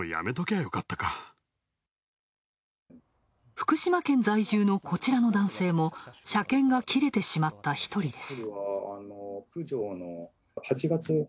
福島県在住の、こちらの男性も、車検が切れてしまった一人です。